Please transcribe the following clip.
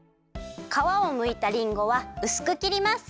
かわをむいたりんごはうすくきります。